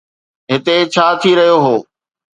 هتي ڇا ٿي رهيو هو؟